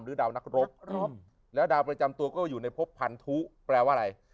ดาวนักรบแล้วดาวประจำตัวก็อยู่ในพบพันธุแปลว่าอะไร